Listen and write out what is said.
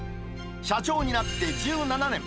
社長になって１７年。